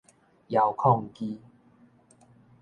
遙控機